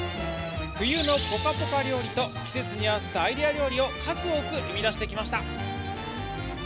冬のぽかぽか料理と季節に合わせたアイデア料理を数多く生み出してきました。